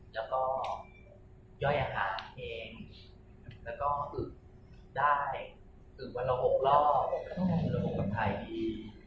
แล้วก็ย่อยอาหารเองแล้วก็อึดได้อึดวันละ๖รอบวันละ๖กว่าไทยดี